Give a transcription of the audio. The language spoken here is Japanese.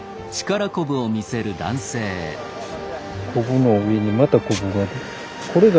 こぶの上にまたこぶが。